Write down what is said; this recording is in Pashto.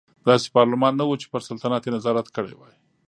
داسې پارلمان نه و چې پر سلطنت یې نظارت کړی وای.